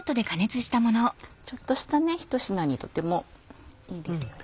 ちょっとした１品にとてもいいですよね。